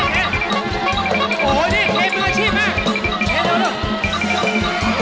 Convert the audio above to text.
โอ้โฮนี่เตรียมมือชิ้นมาก